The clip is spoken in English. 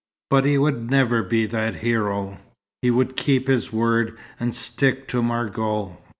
But he would never be that hero. He would keep his word and stick to Margot.